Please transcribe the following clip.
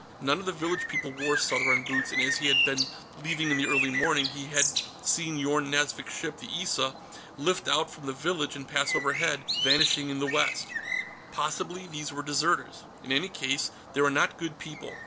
None of the village people wore Southron boots, and as he had been leaving in the early morning, he had seen Yorn Nazvik's ship, the Issa, lift out from the village and pass overhead, vanishing in the west. Possibly these were deserters. In any case, they were not good people.